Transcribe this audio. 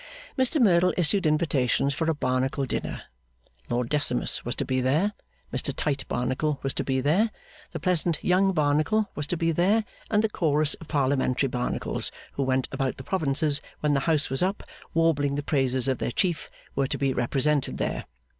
Mr Merdle issued invitations for a Barnacle dinner. Lord Decimus was to be there, Mr Tite Barnacle was to be there, the pleasant young Barnacle was to be there; and the Chorus of Parliamentary Barnacles who went about the provinces when the House was up, warbling the praises of their Chief, were to be represented there.